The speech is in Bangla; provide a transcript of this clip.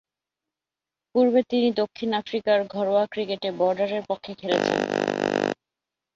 পূর্বে তিনি দক্ষিণ আফ্রিকার ঘরোয়া ক্রিকেটে বর্ডারের পক্ষে খেলেছেন।